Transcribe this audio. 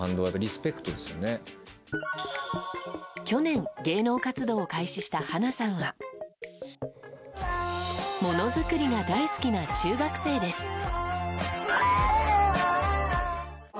去年、芸能活動を開始した華さんは物作りが大好きな中学生です。